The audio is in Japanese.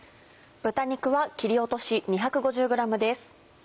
豚肉は切り落とし２５０ｇです。